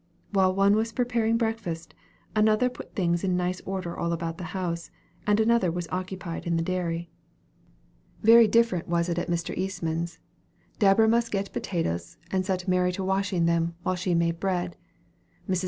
While one was preparing breakfast, another put things in nice order all about the house, and another was occupied in the dairy. Very different was it at Mr. Eastman's. Deborah must get potatoes, and set Mary to washing them, while she made bread. Mrs.